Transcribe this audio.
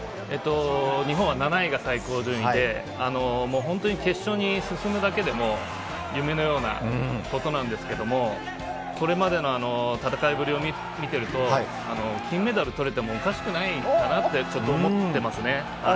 日本は７位が最高順位で決勝に進むだけでも夢のようなことなんですけども、これまでの戦いぶりを見ていると金メダルを取れてもおかしくないかなと思っています。